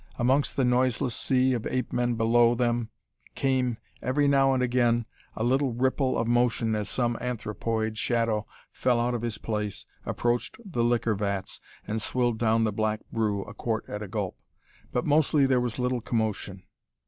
Amongst the noiseless sea of ape men below them came, every now and again, a little ripple of motion as some anthropoid shadow fell out of his place, approached the liquor vats, and swilled down the black brew, a quart at a gulp. But mostly there was little commotion.